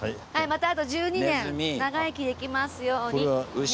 またあと１２年長生きできますように。